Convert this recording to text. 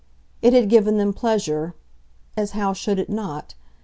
It had given them pleasure as how should it not?